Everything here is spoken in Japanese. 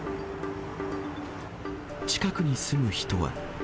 近くに住む人は。